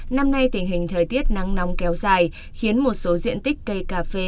năm nay tình hình thời tiết nắng nóng kéo dài khiến một số diện tích cây cà phê